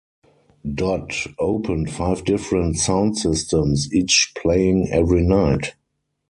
Dodd opened five different sound systems, each playing every night.